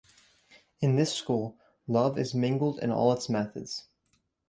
In this school 'Love' is mingled in all its methods.